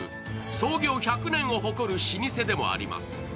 創業１００年を誇る老舗でもあります。